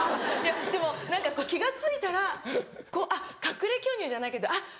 でも気が付いたら隠れ巨乳じゃないけど「あっ！」